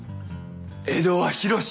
江戸は広し！